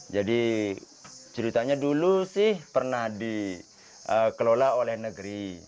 ceritanya dulu sih pernah dikelola oleh negeri